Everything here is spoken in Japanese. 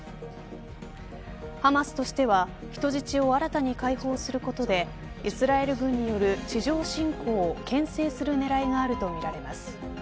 ハマスとしては人質を新たに解放することでイスラエル軍による地上侵攻をけん制する狙いがあるとみられます。